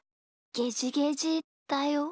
ゲジゲジだよ。